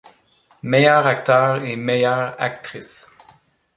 Meilleur acteur et meilleure actrice.